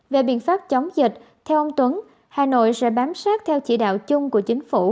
về biện pháp chống dịch theo ông tuấn hà nội sẽ bám sát theo chỉ đạo chung của chính phủ